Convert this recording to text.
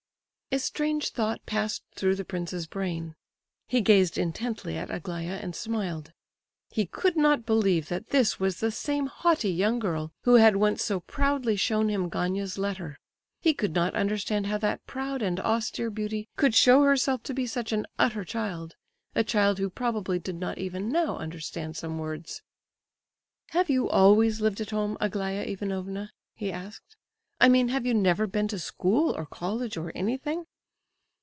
A strange thought passed through the prince's brain; he gazed intently at Aglaya and smiled. He could not believe that this was the same haughty young girl who had once so proudly shown him Gania's letter. He could not understand how that proud and austere beauty could show herself to be such an utter child—a child who probably did not even now understand some words. "Have you always lived at home, Aglaya Ivanovna?" he asked. "I mean, have you never been to school, or college, or anything?"